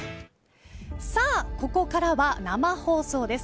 さあ、ここからは生放送です。